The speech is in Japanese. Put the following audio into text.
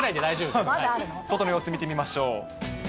外の様子見てみましょう。